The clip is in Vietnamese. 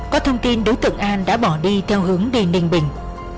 có thông tin đối tượng an đã bỏ đi theo hướng đền đình bình